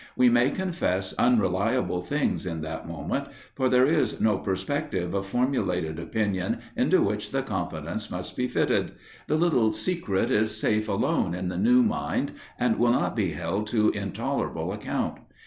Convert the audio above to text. We may confess unreliable things in that moment, for there is no perspective of formulated opinion into which the confidence must be fitted the little secret is safe alone in the new mind, and will not be held to intolerable account.